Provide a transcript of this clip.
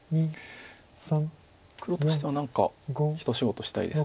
黒としては何か一仕事したいです。